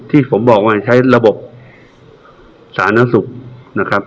ที่ผมบอกว่าใช้ระบบสาธารณสุขนะครับ